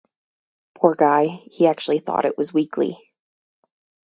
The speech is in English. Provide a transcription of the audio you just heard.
Poor guy, he actually thought it was weekly.